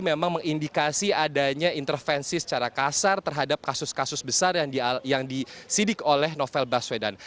memang mengindikasi adanya intervensi secara kasar terhadap kasus kasus besar yang disidik oleh novel baswedan